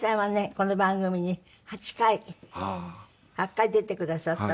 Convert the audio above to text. この番組に８回８回出てくださったの。